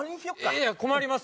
いやいや困ります。